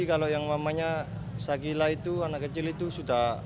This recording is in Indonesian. kalau yang mamanya sakila itu anak kecil itu sudah